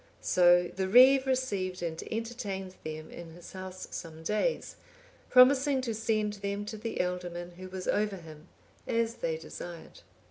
So the reeve received and entertained them in his house some days, promising to send them to the ealdorman who was over him, as they desired.